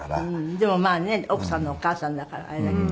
でもまあね奥さんのお母さんだからあれだけど。